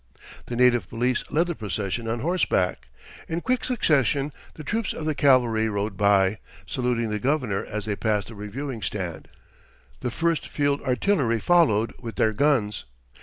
The native police led the procession on horseback. In quick succession the troops of the cavalry rode by, saluting the Governor as they passed the reviewing stand. The First Field Artillery followed, with their guns.